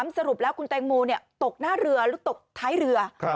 สรุปแล้วคุณแตงโมตกหน้าเรือหรือตกท้ายเรือ